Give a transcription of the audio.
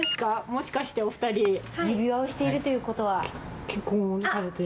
もしかしてお２人指輪をしているということは結婚をされて？